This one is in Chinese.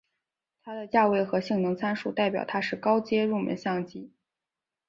它的价位和性能参数代表它是高阶入门相机。